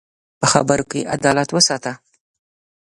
په خبرو کې عدالت وساته